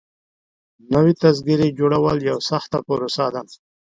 نوي تذکيري جوړول يوه سخته پروسه ده.